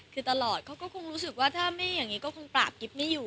เขาคงรู้สึกว่าแบบนี้ก็คงปราบกิฟต์ไม่อยู่